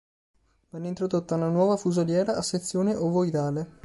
Venne introdotta una nuova fusoliera a sezione ovoidale.